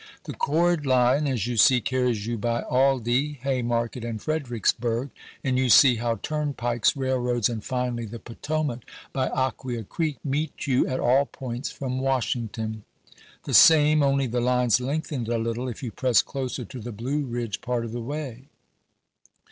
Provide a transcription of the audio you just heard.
The chord line, as you see, carries you by Aldie, Hay Market, and Fredericksburg ; and you see how turnpikes, railroads, and finally the Potomac, by Aquia Creek, meet you at all points from Washington ; the same, only the lines lengthened a little, if you press closer to the Blue Ridge part of the way.